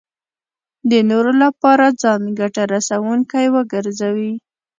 د نورو لپاره ځان ګټه رسوونکی وګرځوي.